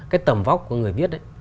cái tầm vóc của người viết ấy